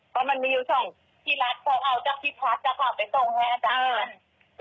เพราะมันมีอยู่ที่รัฐตรงเอาจากพี่พัฒน์จากเราไปส่งให้อาจารย์